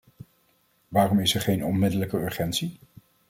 Waarom is er geen onmiddellijke urgentie?